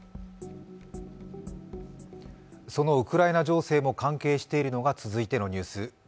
そのウクライナ情勢も関係しているのが続いてのニュース。